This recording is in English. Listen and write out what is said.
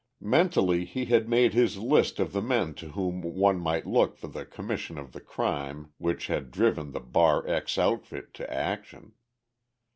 Mentally he had made his list of the men to whom one might look to for the commission of the crime which had driven the Bar X outfit to action.